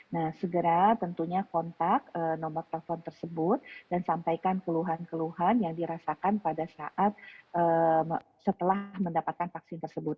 nah segera tentunya kontak nomor telepon tersebut dan sampaikan keluhan keluhan yang dirasakan pada saat setelah mendapatkan vaksin tersebut